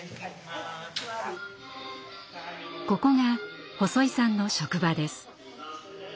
ここが細井さんの職場です。